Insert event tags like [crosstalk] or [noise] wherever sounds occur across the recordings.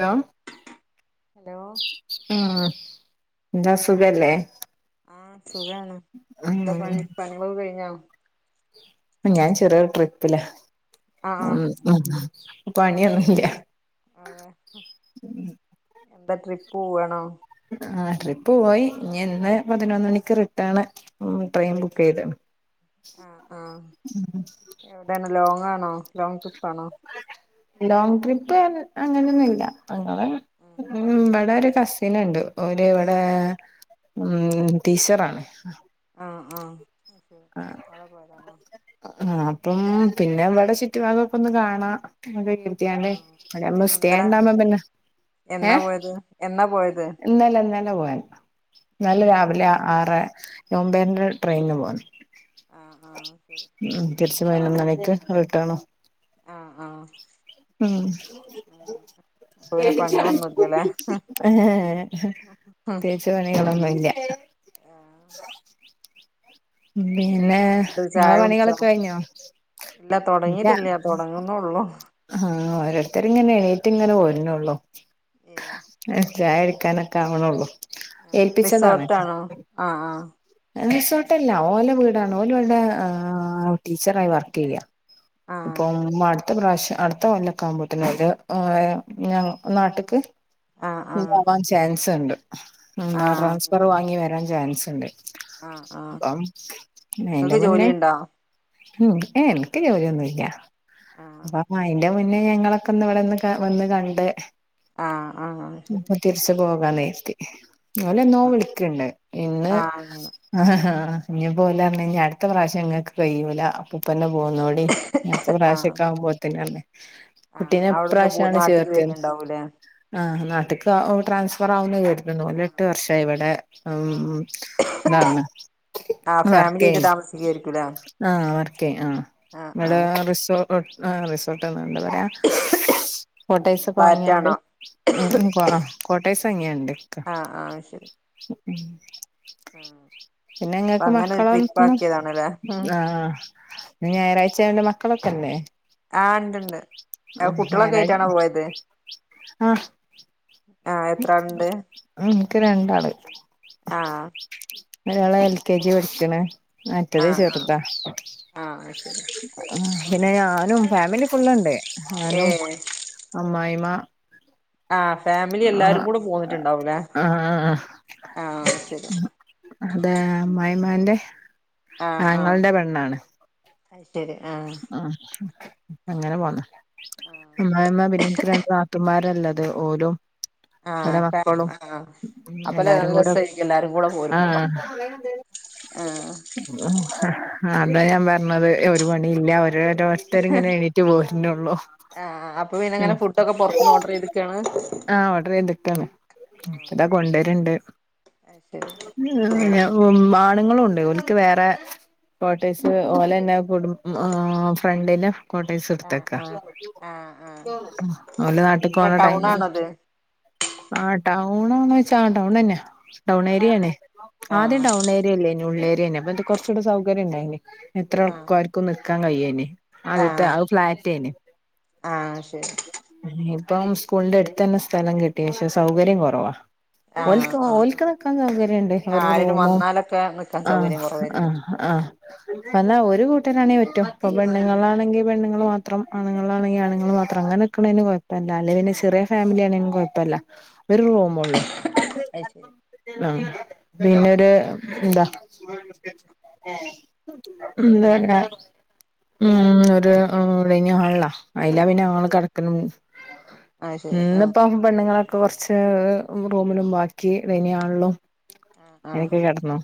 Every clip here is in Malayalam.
ഹലോ ഹലോ ആഹ് എന്താ സുഖല്ലേ ആഹ് ഉം ങ്ങളും കഴിഞ്ഞോ ഞാൻ ചെറിയരു ട്രിപ്പിലാ ആഹ് ഉം ഉം പണിയൊന്നുംല്ല ആഹ് എന്താ ട്രിപ്പ്‌ പോവാണോ ആഹ് ട്രിപ്പ് പോയി ഇഞ് ഇന്ന് പതിനൊന്നണിക്ക് റിട്ടേണ് ഉം ട്രെയിൻ ബുക്ക്യ്ത്ണ് ആഹ് ആഹ് ഉം എവിടെയാണ് ലോങ് ആണോ ലോങ് ട്രിപ്പ് ആണോ ലോങ് ട്രിപ്പ് അങ്ങനെയൊന്നുംല്ല ഞങ്ങളെ ഉം ഇവിടെ ഒരു കസിൻ ഉണ്ട് ഓര് ഇവിടെ ഉം ടീച്ചറാണ് ആഹ് ആഹ് നാളെ പോയതാണോ ആഹ് അപ്പം പിന്നെ ഇവിടെ ചുറ്റു ഭാഗം ഒന്ന് കാണാ സ്റ്റ്യൻ ആഹ് ഇവിടെയാകുമ്പം സ്റ്റ്യൻ ഇന്നലെ ഉണ്ടാകും പിന്നെ എന്നാ ഏഹ് പോയത് എന്നാ പോയത് ഇന്നലെ ഇന്നലെ പോയതാ ഇന്നെലെ ആഹ് രാവിലെ ആറെ ഒമ്പന്റെ ട്രെയിനിന് പോയതാ ആഹ് ആഹ് ശരി തിരിച് പതിനൊന്നണിക് റിട്ടനും ആഹ് ആഹ് ഉം അപ്പൊ പിന്നെ പണികളൊന്നുംല്ലല്ലേ [unintelligible] ആഹ് ഉം തേച്ചു പണികളൊന്നുംല്ല പിന്നെ എന്ത് ഇങ്ങളെ ചായകുടിച്ചോ പണികളൊക്കെ കഴിഞ്ഞോ ഇല്ല ഇല്ല തൊടങ്ങീട്ടില്ല തൊടുങ്ങുന്നെ ഉള്ളു ആഹ് ഓരോരുത്തരിങ്ങനെ എണീറ്റിങ്ങനെ പോരുന്നുള്ളൂ ഏഹ് ചായ കുടിക്കാൻ കാവണുള്ളൂ ഏൽപ്പിച്ചതാണ് ആഹ് ആഹ് റിസോട്ടല്ല ഓലെ വീടാണ് ഓല്‌വിടെ ടീച്ചറായി വർക്ക് ചെയ്യാ ആഹ് [unintelligible] അടുത്ത പ്രാവശ്യം അടുത്ത കൊല്ലക്കാവുമ്പോത്തിന് ഒരു ഞാ നാട്ട്ക്ക് ആഹ് ആഹ് ഉണ്ടാവാൻ ചാൻസ്ണ്ട് എന്താ ആഹ് ട്രാൻ പറ് വാങ്ങി വരാൻ ചാൻസ്ണ്ട് ആഹ് ആഹ് ആഹ് അപ്പം അയിന്റെ ഇങ്ങക്ക് മുന്നേ ജോലിയുണ്ടോ ഉം എനിക്ക് ജോലിയൊന്നില്ല ആഹ് അപ്പം അയിന്റെ പിന്നെ ഞങ്ങളൊക്കെ ഒന്ന് ഇവിടെ ഒന്ന് വന്ന് കണ്ട് ആഹ് ആഹ് ശരി ഇപ്പൊ തിരിച്ചു പോകാൻ നേർത്തി ഓലെന്നോ ആഹ് വിളിക്കിണ്ട് ഇന്ന് ആഹ് ആഹ് അങ്ങനെ അഹഹാ ഇനി പോലർഞ്ഞ് അടുത്ത പ്രാവശ്യം ഇങ്ങക്ക് കഴിയൂല അപ്പപ്പന്നെ പോന്നോ ടി അടുത്തെ ആഹ് പ്രാവശ്യക്കെ ആകുമ്പോത്തതിന് നർന് ആഹ് കുട്ടീനെ അവിടുന്ന് പോ ഇപ്രാവശ്യാണ് നാട്ടിക്ക് ചേർത്തിയത് വരുന്നുണ്ടാവൂലേ ആഹ് നാട്ടിക്ക് ആഹ് ഓ ട്രാൻസ്ഫർ ആവുന്ന് കരുതുന്നു ഓല് ആഹ് എട്ട് വർഷായി ഇവിടെ ആഹ് ഹലോ ആഹ് ഇപ്പം വർക്ക് ഫാമിലി ആയിട്ട് ചെയ്യുന്നു താമസിക്കായിരിക്കൂലേ ആഹ് വർക്ക് ആഹ് ആഹ് ഇവിടെ ആഹ് റിസോ ആഹ് റിസോൾട്ട്ന്ന്ണ്ട് ല്ലേ കോട്ട്യോസൊക്കെ വാങ്ങിയാണ്ട് ഫ്ലാറ്റാണോ ഉം കോട്ട്യേസാങ്ങിയാണ്ട്ക്ക ആഹ് ആഹ് ശരി ഉം ആഹ് പിന്നെ അപ്പൊ ഇങ്ങക്ക് അങ്ങനെ ഒരു ട്രിപ്പ് മക്കളെന്നു ആക്കിയതാണല്ലേ ഉം ആഹ് ഇന്ന് ഞായറാഴ്ച ആയോണ്ട് മക്കളൊക്കെല്ലേ ആഹ് ഇണ്ട്ണ്ട് അഹ് കുട്ടികളൊക്കെ ഞാറാ ആയിട്ടാണോ പോയത് അഹ് ആഹ് എത്ര ആളുണ്ട് ഉം എനിക്ക് രണ്ടാള് ആഹ് ഒരാള് എൽ കെ ജി സ്കൂളും പടിക്കണ് മറ്റേത് ആഹ് ആഹ് ചെറുതാ ആഹ് ശരി ഉം പിന്നെ ഞാനും ഫാമിലി ഫുള്ളുണ്ട് ഞാനും ഏഹ് അമ്മായിമ്മ ആ ഫാമിലി എല്ലാരും കൂടെ പോന്നിട്ടുണ്ടാവൂല്ലേ ഉം അതേ അമ്മായിമാന്റെ ആങ്ങളന്റെ പെണ്ണാണ് അയ് ശരി ആഹ് ആഹ് ഉം ഉം അങ്ങനെ പോന്ന ആഹ് അമ്മായിമ്മ പിന്നെ ഇൻക്ക് രണ്ട് നാത്തൂന്മാരാ ഇള്ളത് ഓലും ഓലെ ആഹ് മക്കളും [unintelligible] ആഹ് അപ്പ നല്ല എല്ലാരും കൂടെ രസായിരിക്കും എല്ലാരും കൂടെ പോരുമ്പോ ആഹ് ആഹ് അതാ ഞാൻ പറഞ്ഞത് ഒരു പണിയില്ലാ ഓരോരുത്തര് ഇങ്ങനെ എണീറ്റ് പോര്ണൊള്ളൂ ആഹ് അപ്പ പിന്നെങ്ങനെ ഫുഡൊക്കെ പുറത്ത്ന്ന് ഓർഡർ ചെയ്തിക്കാണ് ആഹ് ഓർഡറ് ചെയ്തിക്കാണ് ഇതാ കൊണ്ടുവരുണ്ട് അഹ് ശരി ഉം ആണുങ്ങളുണ്ട് ഓൽക്ക് വേറെ കോട്ടെഴ്സ് ഓലെന്നെ കുടും ആഹ് ഫ്രണ്ടിന്റെ കോട്ടേഴ്സ് ആഹ് എടുത്ത്ക്കാ ആഹ് ആഹ് ആഹ് ആഹ് ഓല് നാട്ട്ക്ക് പോണ എങ്ങനെ ടൈമില് ടൗണാണോ അത് ആ ടൗണാണോ ചോയ്ച്ചാ ടൗണന്നെ ആഹ് ടൗണേര്യാണ് ആദ്യം ടൗണേരിയല്ലേനി ഉള്ളേരിയേനി അപ്പത് കുറച്ചുകൂടെ സൗകര്യം ഉണ്ടായിനിം എത്ര ആഹ് ആൾക്കാർക്കും നിക്കാൻ കഴിയേനി ആദ്യത്തെ ആഹ് ആത് ഫ്ലാറ്റേനി ആഹ് ശരി ഇപ്പം സ്കൂളിന്റെ എടുത്തെന്നെ സ്ഥലം കിട്ടീ പക്ഷെ സൗകര്യം കൊറവാ ആഹ് ഓൽക്ക് ആഹ് ഓൽക്ക് ഒക്കെ സൗകര്യണ്ട് ഒര് ആരേലും റൂമും വന്നാലൊക്കെ നിക്കാൻ ആഹ് സൗകര്യം കുറവായിരിക്കും ആഹ് ആഹ് ന്നാ ഒര് കൂട്ടെരാണെങ്കി പറ്റും പ്പ പെണ്ണുങ്ങളാണെങ്കി പെണ്ണുങ്ങള് മാ ത്രം ആണുങ്ങളാണെങ്കി ആണ്ങ്ങൾ മാത്രം അങ്ങനെക്കെ ഇള്ളേന് കൊയ് പ്പല്ല അല്ലേൽ പിന്നെ ചെറിയ ഫാമിലിയാണെങ്കിലും കൊയപ്പല്ലാ. ഒരു റൂമൊള്ളു അത് ശരി ആഹ് പിന്നൊരു എന്താ ഏഹ് ന്തായാലും ഊം ഒര് ഉം ഡൈനിംഗ് ഹാൾലാ അയ്ലാ പിന്നെ ഞങ്ങള് കെടക്ക്ണ് ഉം അത് ശരി ആഹ് ഇന്നിപ്പം പെണ്ണുങ്ങളൊ ക്കെ കൊർച്ച് റൂമിലും ബാക്കി ഡൈനിംഗ് ഹാൾലും. ആഹ് അങ്ങനൊക്കെ കെടന്നോ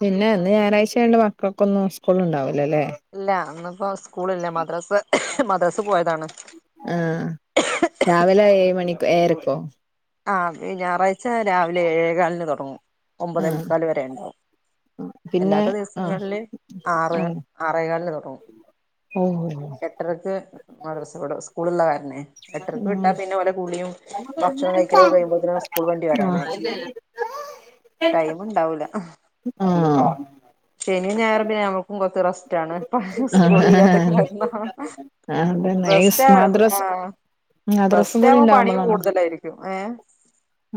പിന്നെ ഇന്ന് ഞായറാഴ്ച ആയോണ്ട്. മക്കൾക്കൊന്നും സ്കൂൾ ഇണ്ടാവൂലല്ലേ. ഇല്ലാ അന്നിപ്പോ സ്കൂളില്ല മദ്രസ് മദ്രസ് പേയതാണ്. ആഹ് രാവിലെ ഏഴ് മണി ഏഴരക്കോ ആഹ് ഞായറാഴ്ച രാവിലെ ഏഴേകാലിന് തൊടങ്ങും ഒമ്പതെ ആഹ് മുക്കാല് വെരേണ്ടാവും. പിന്നെ എല്ലാത്ത ആഹ് ദിവസങ്ങളില് ആറ് ആഹ് ആറേകാലിന് തൊടങ്ങും. [unintelligible] എട്ടരക്ക് മദ്രസ വിടും സ്കൂള് ഉള്ള കാരണെ എട്ടെരക്ക് വിട്ടാ ഉം പിന്നെ ഓലെ കുളിയും ബാ ഭക്ഷണം കഴിക്കലൊക്കെ കഴിയുമ്പോത്തിന് സ്കൂൾ വണ്ടി വെരാനായി. ടൈമ് ഇണ്ടാവൂല ആഹ് ശെനിം ഞായറും പിന്നമ്മക് മ്മക്ക് റസ്റ്റാണ് സ്കൂളില്ലാത്ത ആഹ് കാരണം. അതന്നെ ഈ റസ്റ്റായ് മദ്രസ് ആഹ് മദ്രസും കൂടി റസ്റ്റാവുമ്പോ പണിയും ഉണ്ടാവുമ്പോളാണ് കൂടുതലായിരിക്കും ഏഹ്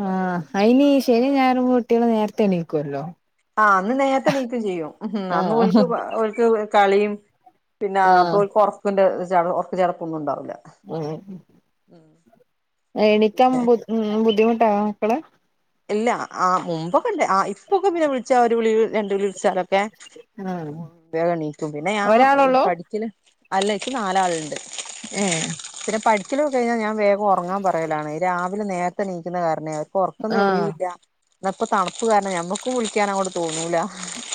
ആഹ് അയ്നീ ശെനിം ഞായറും കുട്ട്യാൾ നേരത്തെണീക്കൊ ല്ലോ. ആഹ് അന്ന് നേര്ത്തെ നീക്കും ചെയ്യും ഉം അന്നൊൽക്ക് ആഹ് ഓൽക്ക് കളിയും. പിന്നാ ആഹ് അപ്പോൽക്ക് ഒർക്കിൻ്റെ ചട ഒർക്ക് ചടപ്പൊന്നും ണ്ടാവുല്ല. ഉം ആഹ് എണീക്കാൻ പിന്നെ ബു ബുദ്ധിമുട്ടാ മക്കള് ഇല്ലാ ആഹ് മുമ്പൊക്കെ ണ്ട് ആഹ് ഇപ്പൊക്കെ പിന്നെ വിളിച്ചാ ഒരു വിളി രണ്ടു വിളി വിളിച്ചാലൊക്കെ. ആഹ് വേഗം ണീക്കും പിന്നെ ഞാ ഒരാളൊള്ളൂ പഠിക്ക്ണ അല്ല ച്ച് നാലാളുണ്ട്. ഏഹ്. പിന്നെ പഠിക്കലൊക്കെ കഴിഞ്ഞാല് ഞാൻ വേഗം ഒറങ്ങാൻ പറയലാണ് രാവിലെ നേരത്തെ ണീക്ക്ണ കാരണെ അവർക്കൊർ ക്കം ആഹ് തെളിയൂല്ല ന്നപ്പ തണുപ്പ് കാരണം ഞമ്മക്കും വിളിക്കാനും അങ്ങോട്ട് തോന്നൂല.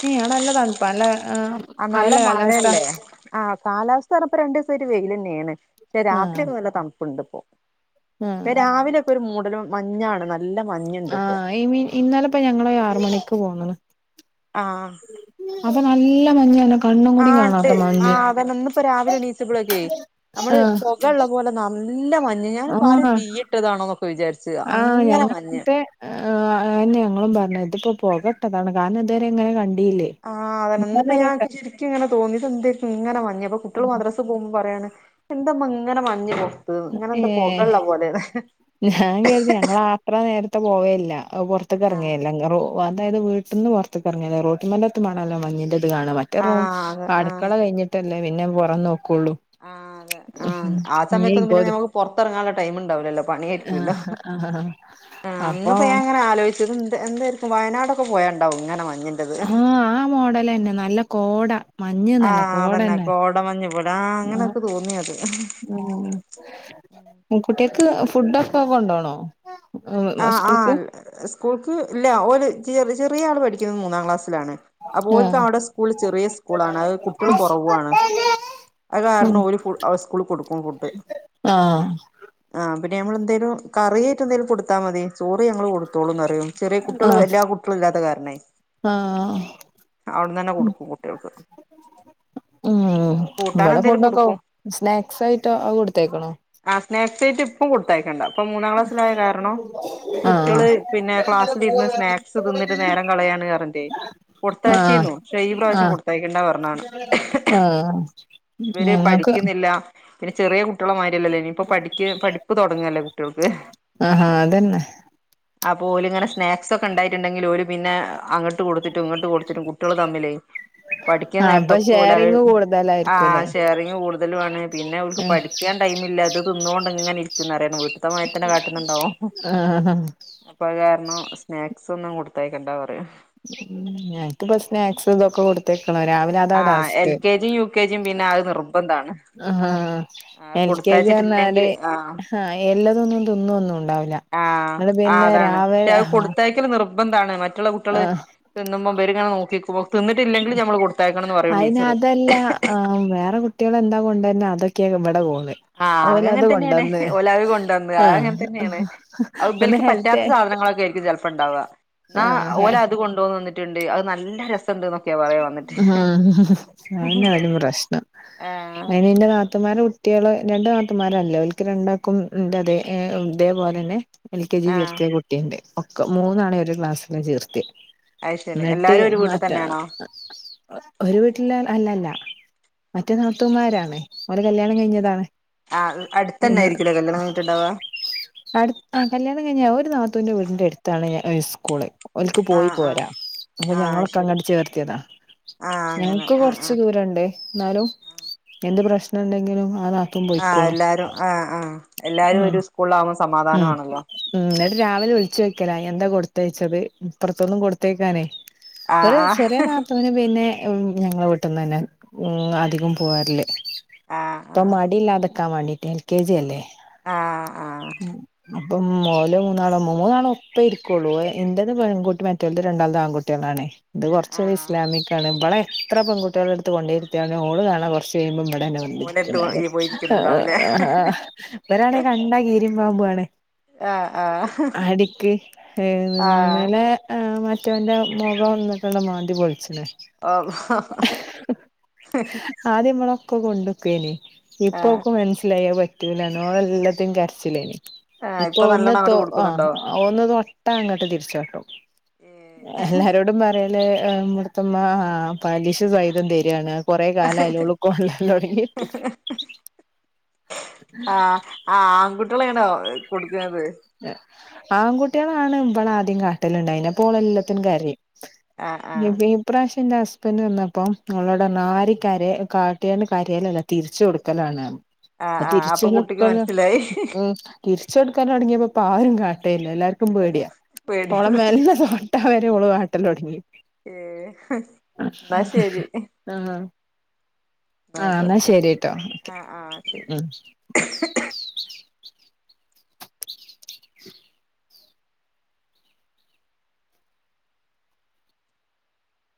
ഏഹ് അവിടെ നല്ലതണുപ്പാ നല്ല അഹ് ആ നല്ല മഴല്ലെ കാലാവസ്ഥ. മഴയല്ലേ ആഹ് കാലാവസ്ഥാ പറഞ്ഞാപ്പോ രണ്ടൂസായിട്ട് വെയിലെന്നെണ് പക്ഷെ രാത്രി ആഹ് ഒക്കെ നല്ല തണുപ്പുണ്ട്പ്പോ ഇപ്പ ആഹ് രാവിലെക്കെ ഒരു മൂടലും മഞ്ഞാണ് നല്ല മഞ്ഞുണ്ട് ഇപ്പോ ആഹ് അതിന് ഇന്നാലെപ്പ ഞങ്ങള് ആറ് മണിക്ക് പോന്ന് ആഹ്. അപ്പ നല്ല മഞ്ഞാണ് കണ്ണും കൂടി ആഹ് ണ്ട് കാണാത്ത മഞ്ഞ് ആഹ് അതെന്നെ ഇന്ന്പ്പോ രാവിലെണീച്ചപ്ളൊക്കെ. ആ നമ്മള് പൊകള്ള പോലെ നല്ല മഞ്ഞ് ഞാന് ആരെപ്പ തീയിട്ടതാണോ ന്നൊക്കെ വിചാരിച്ച്. ആഹ് അങ്ങനെ ഞങ്ങട മഞ്ഞ് വിട്ത്തെ. ആഹ് അഹ് ന്നെ ഞങ്ങളും പറഞ്ഞത് തിപ്പോ പോകട്ടതാണ് കാരണം ഇതുവരെ ങ്ങനെ കണ്ടിയില്ലേ. ആഹ് അതെന്നെ ഇന്നലെ ന്ന്പ്പോ ഒരു ഞാ വട്ടം ചിരിക്കുങ്ങനെ തോന്നി ഇതെന്തൊര്ക്കും ഇങ്ങനെ മഞ്ഞ് ഞ്ഞിപ്പോ കുട്ട്യാൾ മദ്രാസെ പോകുമ്പോ പറയാണ് എന്താമ്മ ഇങ്ങനെ മഞ്ഞപ്പോ ഏ ഇങ്ങനെന്താ പോകള്ളാ പോലെന്ന്. ഞാൻ കരുതി ഞങ്ങളത്ര നേര്ത്തെ പോകലില്ലാ. അഹ് പൊർത്ത് ആഹ് എറങ്ങലില്ലാ ങ്ങറേ അതായത് വീട്ട്ന്ന് പൊർത്ത്ക്ക് എറങ്ങലില്ലാ റോട്ട്മെലെത്തുമ്പളാണല്ലോ മഞ്ഞിൻറ ത് കാണാ മറ്റെ റും അതെ അട്ക്കള ആഹ് കഴിഞ്ഞിട്ടല്ലേ പിന്നെ പൊറം നോക്കൊള്ളൂ. ആഹ് അതെ ആഹ് ആ [unintelligible] സമയത്തൊന്നും പിന്നെ നമക്ക് പൊറത്തിറങ്ങാനുള്ള ടൈമ് ഇണ്ടാവുലല്ലോ പണി ആ യായിരിക്കല്ലോ ആ ആഹ് ഇന്ന് അപ്പൊ ഇപ്പോ ഞാൻ ഇങ്ങനെ ആലോച ചു തിതെ എന്തായിരിക്കും വയനാടൊക്കെ പോയണ്ടാവു ഇങ്ങനെ മഞ്ഞ് ആഹ് ആ മോഡലെന്നെ നല്ല കോട മഞ്ഞ് നല്ല ആഹ് കോട അതെന്നെ തന്നെ കോട മഞ്ഞ് പോലെ ആഹ് അങ്ങനെ ഇക്ക് തോന്നി അത് ഉം കുട്ടിയെക്ക് ഫുഡൊക്കെ കൊണ്ടോണോ ആഹ് സ്കൂൾക്ക് ആഹ് സ്കൂൾക്ക് ഇല്ല ഒരു ചെ ചെറിയ ആള് പഠിക്കുന്നത് മൂന്നാം ക്ലാസ്സിലാണ് അപ്പോല്ക്ക് ആഹ് അവിടെ സ്കൂൾ ചെറിയ സ്കൂളാണ് അത്കുട്ടികൾ കൊറവു ആണ് അത് കാരണം ഓല് ഫുഡ് സ്കൂൾ കൊടുക്കും ഫുഡ് ആഹ് ആഹ് പിന്നെ ഞമ്മൾ എന്തേലും കറിയായിട്ട് എന്തേലും കൊടുത്താൽ മതി ചോറ് ഞങ്ങള് കൊടു ത്തോളുംന്ന് പറിയും ചെറിയ കുട്ടികള് ആഹ് എല്ലാ കുട്ടികളും ഇല്ലാത്ത കാരണെയ് ആഹ് അവിടെന്ന് തന്നെ കൊടുക്കും കുട്ട്യാൾക്ക് ഉം ഇവിടെ എന്തേലും ഫുഡൊക്കെ കൊടുക്കും സ്നാക്സ് ആയിട്ടോ അത് കൊടുത്തയക്കണോ ആഹ് സ്നാക്സായിട്ട് ഇപ്പോഴകൊടുത്തയക്കണ്ട ഇപ്പൊ മൂന്നാം ക്ലാസ്സിലായ കാരണം [inaudible] ഈ കുട്ട്യാള് പിന്നെ ക്ലാസ്സിലിരുന്ന് സ്നാക്സ് തിന്നിട്ട് നേരം കളയാണ് പറഞ്ഞിട്ടെയ് ആഹ് കൊടുത്തയ്ച്ചിന്നു പക്ഷേ ഈ പ്രാവശ്യം ആഹ് കൊടുത്തയക്കണ്ട പറഞ്ഞാണ് ആഹ് ഇവര് ഞങ്ങക്ക് പഠിക്കുന്നില്ല പിന്നെ ചെറിയ കുട്ടിയാളെ മാതിരി യല്ലല്ലേ ഇനിയിപ്പോ പഠിക്കപഠിപ്പ് തൊടങ്ങല്ലേ കുട്ടിയേൾക്ക് ആഹാ അതന്നെ അപ്പോല് ഇങ്ങനെ സ്നാക്സ് ഒക്കെ ഇണ്ടായിട്ടുണ്ടെങ്കില് ഓല് പിന്നെ അങ്ങ അങ്ങട്ട് കൊട്ത്തിട്ടും ഇങ്ങോട്ട് കൊട്ത്തിട്ടും കുട്ടിയേള് തമ്മിലേ പഠിക്ക്ണ ആഹ് അപ്പൊ നേർത്തൊക്കെ ഓലെ അത് ഷെയറിങ് ആഹ് കൂടുതലായിരിക്കുംല്ലേ ഷേയറിങ്ങ് കൂടുതലും ആണ് പിന്നെ ഓൽക്ക് പഠിക്കാൻ ടൈമില്ലാതെ തിന്നോണ്ടിങ്ങനെ ഇരിക്കും ന്നറിയാണ് വീട്ട്ത്തെ മാതിർത്തന്നെ കാട്ട്ന്ന്ണ്ടാവും ആഹ് ആഹ് ആഹ് ആഹ് അപ്പൊത് കാരണം സ്നാക്സ് ഒന്നും കൊടുത്തയകണ്ടാ പറയും ഉം ഞങ്ങ്ക്ക് ഇപ്പൊ സ്നാക്സ് ഇതൊക്കെ കൊടുത്തയ്ക്കണം രാവിൽ ആഹ് എൽ കെ ജി യുകെജിംപിന്നെ അത് നിർബന്ധാണ് അ ആഹ് ആ എൽ കെ ജി കൊടുത്തയച്ചിട്ടില്ലെങ്കിൽ പർഞ്ഞാല് ആ ആഹ് എല്ലതൊന്നും തിന്നൊന്നും ഉണ്ടാവുല്ല ആഹ് അതാണ് പക്ഷെത് കൊടുത്തയ്ക്കല് നിർ നിർബന്ധാണ് മറ്റുള്ള കുട്ടിയേള് ആഹ് തിന്നുമ്പോ ഇവര് ഇങ്ങനെ നോക്കി നിക്കുമ്പൊ തിന്നിട്ടില്ലെങ്കിലും ഞമ്മള് കൊട്ത്തയ്ക്കണംന്ന് പറയും അയിന് ടീച്ചറ് അതല്ല ആഹ് വേറെ കുട്ടിയെള് എന്താ കൊണ്ടർന് അതൊക്കെ ഇവടെ കോള് ആഹ് അതങ്ങൻ തന്നേണ് ഓലത് കൊണ്ടന്ന് അത് ആഹ് അങ്ങൻതന്നേണ് അത് ഒന്ന് ഇബൽക്ക് ഹെൽത്ത് പറ്റാത്ത സാധനങ്ങളൊക്കെയിർ ക്കും ചെൽപ്പണ്ടാവ ഇന്നാ ആഹ് ഓലത് കൊണ്ട് വന്നിട്ടുണ്ട് അത് നല്ല രസംണ്ട് ന്നൊ ആഹ് അ അ അതന്നെ ഓലെപ്രശ്നം ആ അയ്നിന്റെ നാ ത്തുമാരെ കുട്ടിയേള് രണ്ടു നാത്തുൻ മാരള്ളത് ഓല്ക്ക് രണ്ടാൾക്കും ഇന്റതേ ഇതേപോലെന്നെ എൽ കെ ജി ആ ചേർത്തിയ കുട്ടിണ്ട് ഒക്കെ ആ മൂന്നാളിം ഒരു ക്ലാസ്സിലാ ചേർത്തിയേ അത് ശരി ന്നട്ട് എല്ലാരും ഒരു വീട്ടിൽ മറ്റ അ തന്നെയാണോ അ അ ഒരു വീട്ടില അല്ലല്ല മറ്റേ നാത്തൂൻമാരാണ് ഓലെ കല്യാണം കഴിഞ്ഞതാണ് ആ വ അടുത്തന്നെ അ അ ആയിരിക്കൂലേ കല്യാണം കഴിഞ്ഞിട്ടുണ്ടാവ [inaudible] അടുത് ആ കല്യാണം കഴിഞ്ഞ ഒരു നാത്തൂന്റെ വീടിന്റെ എട്ത്താണ് സ്കൂള് ഓൽക്ക് ആ പോയി ആ പോരാ അപ്പൊ ആ ഞങ്ങളൊക്കെ ശരി അങ്ങട്ട് ചേർത്തിയതാ ആ അങ്ങനെ ഞങ്ങക്ക് ആ ആ കൊർച്ച് ദൂ രണ്ട് ന്നാലും എന്ത് പ്രശ്നം ഇണ്ടെങ്കിലും മാറ ആഹ് എല്ലാരും ആഹ് ആഹ് ഉം എല്ലാരും ഒരു സ്കൂള്ല് ആകുമ്പോ സമാധാനു ഉം ആണല്ലോ ഉം ന്നട്ട് രാവിലെ വിള്ച്ചോക്കലാ എന്താ കൊട്ത്തയ്ച്ചത് ഇപ്പറ്ത്ത്ന്നും കൊട്ത്തയ്ക്കാനെ ആഹ് ആഹ് ന്റെ നാത്തൂന് പിന്നെ ഉം ഞങ്ങളെ വീട്ട്ന്നന്നെ ഉം അധികും പോർല് ആ പ്പം ആ മടില്ലാതെക്കാമാണ്ടീറ്റെ എൽ കെ ജി അല്ലേ ആ ആ ഉം ഉം ഇപ്പം ഓല് മൂന്നാളും മൂന്നാളൊപ്പരിക്കോള്ളു ഇന്റത് പെൺകുട്ടി മറ്റോൽത് രണ്ടാള്തും ആൺകുട്ടിയാളാണേ ഇത് ആ കൊർച്ചൊരു ഇസ്ലാമിക്കാണ് ഇബളെ എത്ര പെൺകുട്ടിയാളെട്ത്ത് കൊണ്ടോയ്ര്ത്തിയാലും ഓള് കാണാ കൊർച്ച് കഴിയുമ്പോ ഇവടെണ്ടാവ ഓലെടുത്ത് പോയിരിക്കുന്നുണ്ടാവൂലേ [unintelligible] ഇവരാണെ കണ്ടാ കീരിം പാമ്പുവാണ് ആ ആ ആടിക്ക് ഏഹ് ആ ഇന്നലെ ആഹ് മറ്റോൻ്റെ മുഖംന്നൊക്കെ [unintelligible] മാന്തി പൊള്ച്ച്ണ് ആഹ് ആദ്യം ഇവളൊക്കെ കൊണ്ട്ക്കേനി ആ ഇപ്പോക്ക് മൻസ്സിലായി അത് പറ്റ് പറ്റൂലാന്ന് ഓളെല്ലെത്തിനും കരച്ചില്ലേനി ആ ഇപ്പൊ ഒന്ന് നല്ലോണം തോ അങ്ങോട്ട് ആഹ് കൊടുക്കുന്നുണ്ടോ ഒന്ന് തൊട്ട അങ്ങട്ട് തിർച്ചാട്ടും എല്ലാരോടും പറയല് ഇബട്ത്തെമ്മ ആ പലിശ സഹിതം തരാണ് കൊറേ കാലായിലെ ഓള് കൊള്ളൽ തൊട്‌ങ്ങീട്ട് ആഹ് ആൺകുട്ടിയേളേണോ കൊട്ക്ക്ന്നത് ആൺകുട്ടികളാണ് ഇവളെ ആദ്യം കാട്ടല്ണ്ടായിനെ അപ്പൊ ഓള് എല്ലെത്തിനും കരയും ആ ആ [unintelligible] ഇപ്രാശ്യം ഇന്റെ ഹസ്ബൻഡ് വന്നപ്പോ ഓളോട് പറഞ്ഞ് ആരേം കര കാട്ടിയാണ്ട് കരയലല്ലാ തിരിച്ച് കൊടുക്കലാണ് പറഞ്ഞ് ആഹ് ഇപ്പം ആഹ് തിരിച്ച് അപ്പൊ കുട്ടിക്ക് മനസ്സിലായി [unintelligible] തിരിച്ചൊടുക്കല് തൊടങ്ങിയപ്പോ ഇപ്പാരും കാട്ടേല്ലാ എല്ലാർക്കും പേടിയാ ഓളെ പേടിയാണ് മേലൊന്ന് തൊ തൊട്ടാ വരെ ഓള് കാട്ടലൊടങ്ങി ഏഹ് ഇന്നാ ശെരി ആഹ് ആഹ് ഇന്നാ ആയിക്കോട്ടെ ശെരിട്ടോ ഓക്കെ ആഹ് ആഹ് ഉം ശരി